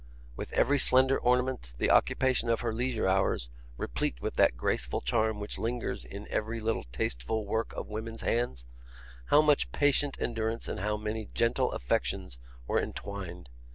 With every slender ornament, the occupation of her leisure hours, replete with that graceful charm which lingers in every little tasteful work of woman's hands, how much patient endurance and how many gentle affections were entwined!